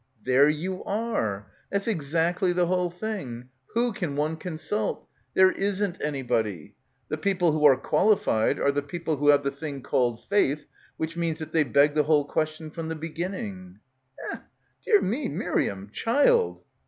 "There you are. That's exactly the whole thing! Who can one consult? There isn't any body. The people who are qualified are the peo ple who have the thing called faith, which means that they beg the whole question from the begin ning." f Eh — dear — me — Miriam — child